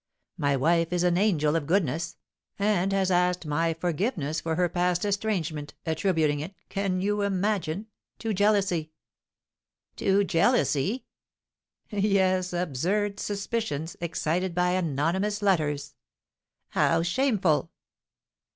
My wife is an angel of goodness, and has asked my forgiveness for her past estrangement, attributing it (can you imagine?) to jealousy." "To jealousy?" "Yes, absurd suspicions, excited by anonymous letters." "How shameful!"